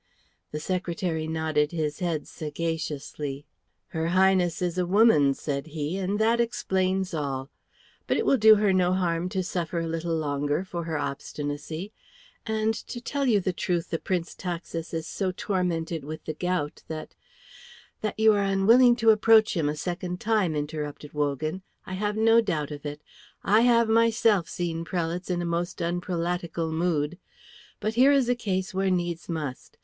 The secretary nodded his head sagaciously. "Her Highness is a woman," said he, "and that explains all. But it will do her no harm to suffer a little longer for her obstinacy, and, to tell you the truth, the Prince Taxis is so tormented with the gout that " "That you are unwilling to approach him a second time," interrupted Wogan. "I have no doubt of it. I have myself seen prelates in a most unprelatical mood. But here is a case where needs must.